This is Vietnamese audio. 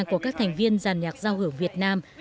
của các thành viên giàn nhạc giao hưởng việt nam